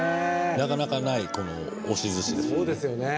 なかなかない押し寿司です。